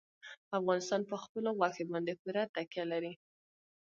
افغانستان په خپلو غوښې باندې پوره تکیه لري.